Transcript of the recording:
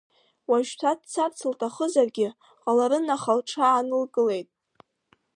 Уажәшьҭа дцарц лҭахызаргьы ҟаларын, аха лҽаанылкылеит.